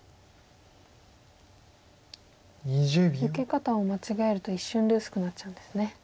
受け方を間違えると一瞬で薄くなっちゃうんですね。